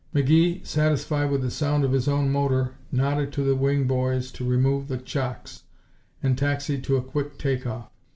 McGee, satisfied with the sound of his own motor, nodded to the wing boys to remove the chocks, and taxied to a quick take off.